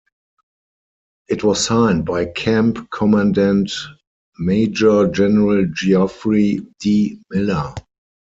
It was signed by camp commandant Major General Geoffrey D. Miller.